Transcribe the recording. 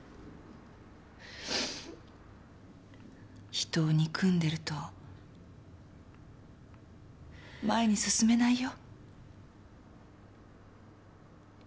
人を憎んでると前に進めないよ。